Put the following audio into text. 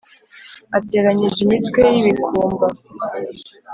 ateranyije imitwe y’ibikumba